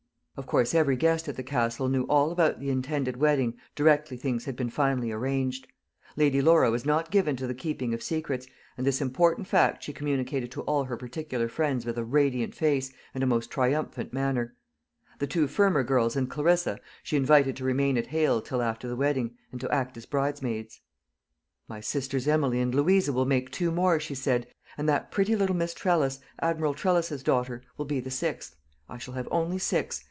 Of course every guest at the Castle knew all about the intended wedding directly things had been finally arranged. Lady Laura was not given to the keeping of secrets, and this important fact she communicated to all her particular friends with a radiant face, and a most triumphant manner. The two Fermor girls and Clarissa she invited to remain at Hale till after the wedding, and to act as bridesmaids. "My sisters Emily and Louisa will make two more," she said; "and that pretty little Miss Trellis, Admiral Trellis's daughter, will be the sixth I shall have only six.